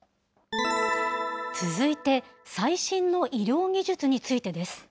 続いて、最新の医療技術についてです。